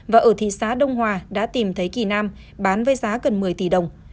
và ở thị xã đông hòa đã tìm thấy kỳ nam bán với giá gần một mươi tỷ đồng